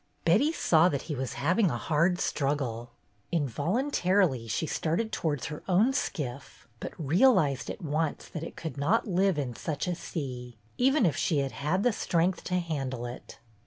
Betty saw that he was having a hard struggle. Involuntarily she started towards her own skiff, but realized at once that it could not live in such a sea, even if she had had the strength to handle it.